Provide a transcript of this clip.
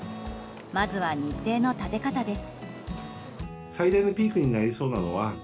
まずは日程の立て方です。